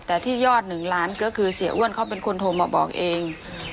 แต่ที่ยอด๑ล้านก็คือเสียอ้วนเขาเป็นคนโทรมาบอกเอง